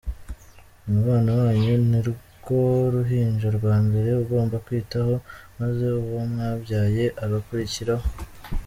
Umubano wanyu ni rwo ruhinja rwa mbere ugomba kwitaho, maze uwo mwabyaye agakurikiraho.